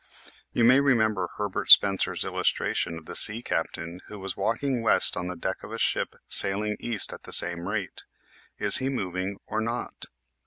You may remember Herbert Spencer's illustration of the sea captain who was walking west on the deck of a ship sailing east at the same rate. Is he moving or not?